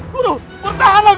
guru bertahanlah guru